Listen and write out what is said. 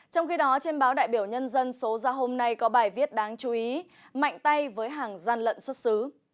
trong khi đó trên báo đại biểu nhân dân số ra hôm nay có bài viết đáng chú ý mạnh tay với hàng gian lận xuất xứ